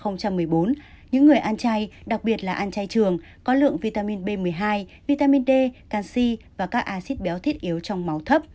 những người ăn chay đặc biệt là ăn chay trường có lượng vitamin b một mươi hai vitamin d canxi và các acid béo thiết yếu trong máu thấp